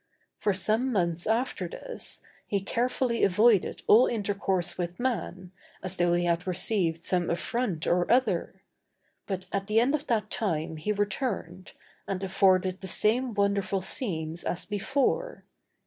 For some months after this, he carefully avoided all intercourse with man, as though he had received some affront or other; but at the end of that time he returned, and afforded the same wonderful scenes as before.